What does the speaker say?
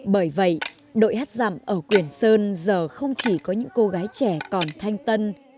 bởi vậy đội hát dạm ở quyền sơn giờ không chỉ có những cô gái trẻ còn thanh tân